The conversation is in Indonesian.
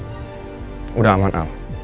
sudah aman al